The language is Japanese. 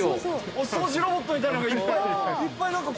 お掃除ロボットみたいなのがいっぱい交通整理されてる。